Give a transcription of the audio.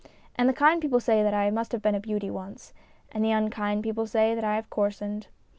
And the kind people say that I must have been a beauty once, and the unkind people say that I have " coarsened."